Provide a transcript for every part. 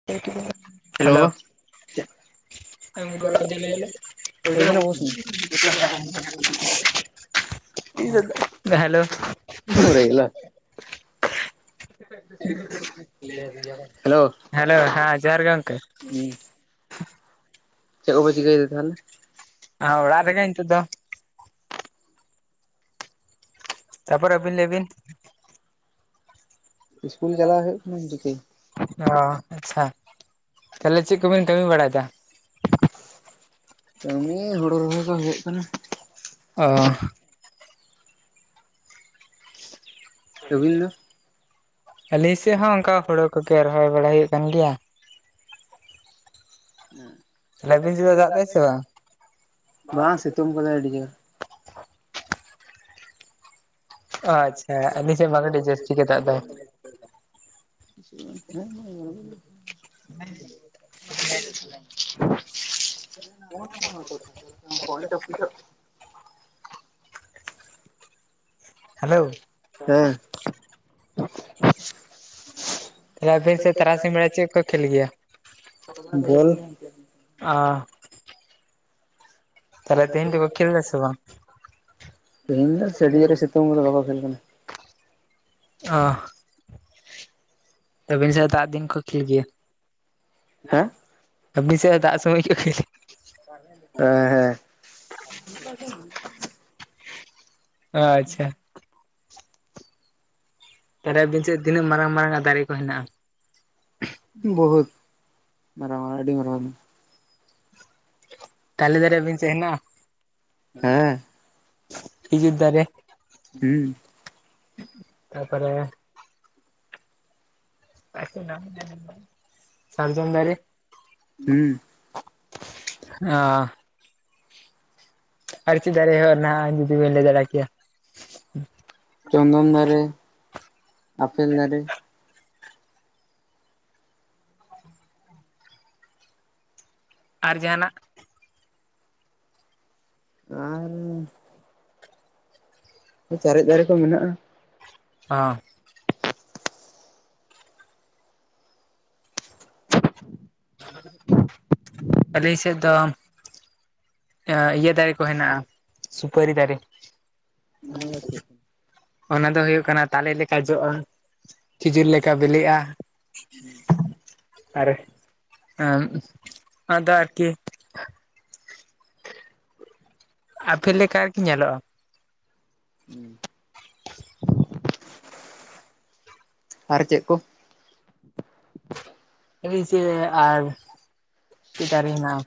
[inaudible] [unintelligible] [unintelligible] Hello [unintelligible] hello ᱦᱮᱸ ᱡᱚᱦᱟᱨ ᱜᱮ ᱜᱚᱝᱠᱮ [unintelligible] ᱪᱮᱫᱠᱚ ᱪᱤᱠᱟᱹᱣ ᱫᱟ ᱛᱟᱦᱚᱞᱮ [unintelligible] ᱨᱮᱜᱮ ᱱᱤᱛᱚᱜ ᱫᱚ ᱛᱟᱯᱚᱨ ᱟᱹᱵᱤᱱ ᱞᱟᱹᱭ ᱵᱤᱱ ᱤᱥᱠᱩᱞ ᱪᱟᱞᱟᱣ ᱦᱩᱭᱩᱜ ᱠᱟᱱᱟ ᱤᱧ ᱪᱤᱠᱤ ᱚ ᱟᱪᱪᱷᱟ ᱛᱟᱦᱞᱮ ᱪᱮᱫ ᱠᱚᱵᱤᱱ ᱠᱟᱹᱢᱤ ᱵᱟᱲᱟᱭᱮᱫᱟ ᱠᱟᱹᱢᱤ ᱦᱩᱲᱩ ᱨᱚᱦᱚᱭ ᱫᱚ ᱦᱩᱭᱩᱜ ᱠᱟᱱᱟ ᱚ [inaudible] ᱟᱹᱵᱤᱱ ᱫᱚ ᱟᱞᱮ [inaudible] ᱥᱮᱫ ᱦᱚᱸ ᱚᱱᱠᱟ ᱦᱳᱲᱳ ᱠᱚᱜᱮ ᱨᱚᱦᱚᱭ ᱵᱟᱲᱟ ᱦᱩᱭᱩᱜ ᱠᱟᱱ ᱜᱮᱭᱟ ᱛᱟᱦᱚᱞᱮ ᱟᱹᱵᱤᱱ ᱥᱮᱫ ᱫᱚ ᱫᱟᱜ ᱫᱟᱭ ᱥᱮ ᱵᱟᱝ [inaudible] ᱵᱟᱝ ᱥᱤᱛᱩᱝ ᱠᱟᱫᱟᱭ ᱟᱹᱰᱤ ᱡᱳᱨ ᱟᱪᱪᱷᱟ ᱟᱞᱮ ᱥᱮᱫ ᱢᱟ ᱟᱹᱰᱤ [inaudible] ᱡᱟᱹᱥᱛᱤ ᱜᱮ ᱫᱟᱜ ᱫᱟᱭ [inaudible] [unintelligible] ᱦᱮᱞᱳ ᱦᱮᱸ ᱛᱟᱦᱚᱞᱮ ᱟᱹᱵᱤᱱ ᱥᱮᱫ ᱛᱟᱨᱟᱥᱤᱧ ᱵᱮᱲᱟ ᱪᱮᱫ ᱠᱚ ᱠᱷᱮᱞ ᱜᱮᱭᱟ [inaudible] [inaudible] [inaudible] ᱛᱟᱦᱞᱮ ᱛᱮᱦᱮᱸᱧ ᱫᱚ ᱠᱚ ᱠᱷᱮᱞᱫᱟ ᱥᱮ ᱵᱟᱝ ᱛᱮᱦᱮᱧ ᱫᱚ ᱥᱮᱰᱤᱭᱟᱹ ᱨᱮ ᱥᱤᱛᱩᱝ ᱠᱟᱫᱟ ᱵᱟᱠᱚ ᱠᱷᱮᱞ ᱠᱟᱱᱟ ᱚ [inaudible] ᱟᱵᱤᱱ ᱥᱮ ᱦᱚ ᱫᱤᱱ ᱠᱚ ᱠᱷᱮᱞ ᱜᱮ ᱦᱮᱸ [unintelligible] ᱟᱵᱤᱱ ᱥᱮ [unintelligible] ᱥᱚᱢᱚᱭ ᱠᱚ ᱠᱷᱮᱞ [unintelligible] [unintelligible] ᱟᱪᱪᱷᱟ [unintelligible] ᱵᱤᱱ ᱥᱮᱫ ᱛᱤᱱᱟᱹᱜ ᱢᱟᱨᱟᱝ ᱢᱟᱨᱟᱝᱜ ᱫᱟᱨᱮ ᱠᱚ ᱦᱮᱱᱟᱜᱼᱟ ᱵᱚᱦᱩᱛ ᱢᱟᱨᱟᱣ ᱢᱟᱨᱟᱣ ᱟᱹᱰᱤ ᱢᱟᱨᱟᱣ ᱛᱟᱞᱮ ᱫᱟᱨ ᱟᱵᱤᱱ ᱥᱮᱜ ᱦᱮᱱᱟᱜᱼᱟ ᱦᱮᱸ ᱠᱷᱤᱡᱩᱨ ᱫᱟᱨᱮ ᱦᱩᱸ ᱛᱟᱨᱯᱚᱨᱮ [inaudible] [unintelligible] ᱥᱟᱨᱡᱚᱢ ᱫᱟᱨᱮ ᱦᱩᱸ [unintelligible] ᱟᱨ ᱪᱤᱨ ᱫᱟᱨᱮ ᱱᱟᱜᱼᱟ ᱡᱩᱫᱤ ᱵᱮᱱ ᱞᱟ. ᱭ ᱫᱟᱲᱟᱠᱮᱭᱟ ᱪᱚᱱᱫᱚᱱ ᱫᱟᱨᱮ ᱟᱯᱮᱞ ᱫᱟᱨᱮ᱾ ᱟᱨ ᱡᱟᱦᱟᱸᱱᱟᱜ? ᱟᱨ ᱪᱟᱨᱮᱡ ᱫᱟᱨᱮ ᱠᱚ ᱢᱮᱱᱟᱜᱼᱟ᱾ [inaudible] ᱢ [inaudible] ᱟᱞᱤᱧ ᱥᱮᱫ ᱫᱚ ᱤᱭᱟᱹ ᱫᱟᱨᱮ ᱠᱚ ᱦᱮᱱᱟᱜᱼᱟ ᱥᱩᱯᱟᱹᱨᱤ ᱫᱟᱨᱮ [unintelligible] ᱚᱱᱟ ᱫᱚ ᱦᱩᱭᱩᱜ ᱠᱟᱱᱟ ᱛᱟᱞᱮ ᱞᱮᱠᱟ ᱡᱚᱜᱼᱟ ᱠᱷᱤᱡᱩᱨ ᱞᱮᱠᱟ ᱵᱤᱞᱤᱜᱼᱟ ᱟᱨ [unintelligible] ᱟᱫᱚ ᱟᱨᱠᱤ ᱟᱯᱮᱞ ᱞᱮᱠᱟ ᱟᱨ ᱠᱤ ᱧᱮᱞᱚᱜᱼᱟ ᱟᱨ ᱪᱮᱫ ᱠᱚ ᱪᱟᱨ ᱪᱮᱛ ᱫᱟᱨᱮ ᱦᱮᱱᱟᱜᱼᱟ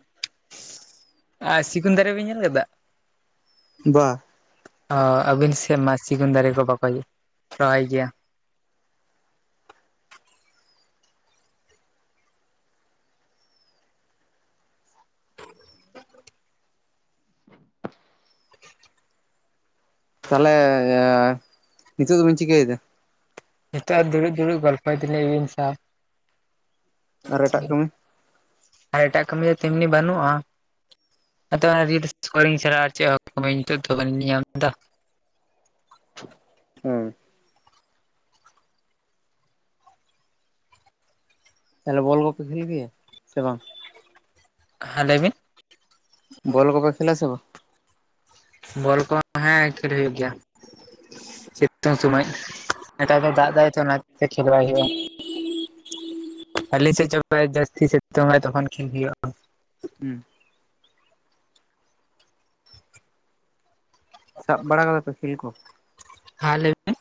ᱟᱨ ᱥᱤᱜᱩᱱ ᱫᱟᱨᱮ ᱵᱤᱱ ᱧᱮᱞ ᱠᱟᱫᱟ? ᱵᱟ ᱟᱹᱵᱤᱱ ᱥᱮᱫ ᱢᱟ [inaudible] ᱥᱤᱜᱩᱱ ᱫᱟᱨᱮ ᱠᱚ ᱵᱟᱠᱚ ᱨᱚᱦᱚᱭ ᱜᱮᱭᱟ [unintelligible] ᱛᱟᱦᱚᱞᱮ ᱱᱤᱛᱳᱜ ᱫᱚ ᱵᱤᱱ ᱪᱤᱠᱟᱹᱭᱮᱫᱟ ᱱᱤᱛᱚᱜ ᱟᱨ ᱫᱩᱲᱩᱵ ᱫᱩᱲᱩᱵ ᱜᱚᱞᱯᱚᱭ ᱫᱟᱞᱤᱧ [inaudible] ᱟᱵᱤᱱ ᱥᱟᱶ᱾ ᱟᱨ ᱮᱴᱟᱜ ᱠᱟᱹᱢᱤ? ᱟᱨ ᱮᱴᱟᱜ ᱠᱟᱹᱢᱤ ᱫᱚ ᱛᱮᱢᱱᱤ ᱵᱟᱹᱱᱩᱜᱼᱟ᱾ [inaudible] ᱦᱮᱸ ᱛᱟᱦᱚᱞᱮ ᱵᱚᱞ ᱠᱚᱯᱮ ᱠᱷᱮᱞ ᱜᱤᱭᱟ, ᱥᱮ ᱵᱟᱝ? ᱦᱟᱸ ᱞᱟᱹᱭ ᱵᱤᱱ᱾ ᱵᱚᱞ ᱠᱚᱯᱮ ᱠᱷᱮᱞᱟ ᱥᱮᱵᱟ? ᱵᱚᱞ ᱠᱚᱦᱚᱸ ᱦᱮᱸ ᱠᱷᱮᱞ ᱦᱩᱭᱩᱜ ᱜᱮᱭᱟ ᱥᱤᱛᱩᱝ ᱥᱩᱢᱟᱹᱭ᱾ ᱱᱮᱛᱟᱨ ᱫᱚ ᱫᱟᱜ ᱮᱫᱟᱭ ᱛᱚ ᱚᱱᱟᱛᱮ ᱠᱷᱮᱞ ᱵᱟᱭ ᱦᱩᱭᱩᱜ-ᱟ᱾ ᱟᱞᱮ ᱥᱮᱜ ᱪᱟ ᱡᱟᱹᱥᱛᱤ ᱥᱤᱛᱩᱝᱟᱭ ᱛᱚᱠᱷᱚᱱ ᱠᱷᱮᱞ ᱦᱩᱭᱩᱜ-ᱟ᱾ ᱦᱩᱸ᱾ ᱥᱟᱵ ᱵᱟᱲᱟ ᱠᱟᱫᱟ ᱯᱮ ᱠᱷᱮᱞ ᱠᱚ? ᱦᱟᱸ ᱞᱟᱹᱭ ᱢᱮ?